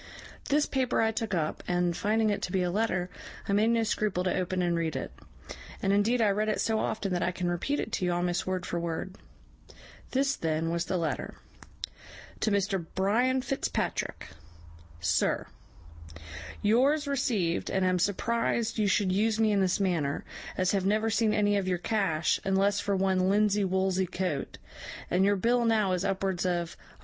This paper I took up, and, finding it to be a letter, I made no scruple to open and read it; and indeed I read it so often that I can repeat it to you almost word for word. This then was the letter: 'To Mr Brian Fitzpatrick. 'SIR, 'YOURS received, and am surprized you should use me in this manner, as have never seen any of your cash, unless for one linsey woolsey coat, and your bill now is upwards of £150.